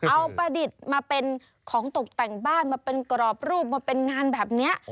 เอาประดิษฐ์มาเป็นของตกแต่งบ้านมาเป็นกรอบรูปมาเป็นงานแบบนี้